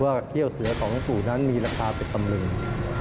เขี้ยวเสือของปู่นั้นมีราคาเป็นตำลึง